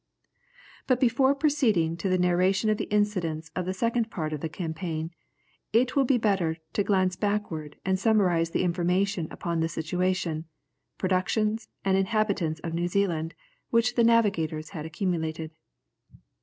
] But before proceeding to the narration of the incidents of the second part of the campaign, it will be better to glance backward and to summarize the information upon the situation, productions, and inhabitants of New Zealand which the navigators had accumulated.